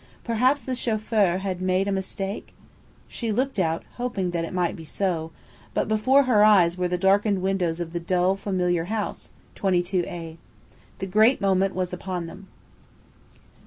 Perhaps the chauffeur had made a mistake? She looked out, hoping that it might be so; but before her were the darkened windows of the dull, familiar house, 22 A. The great moment was upon them.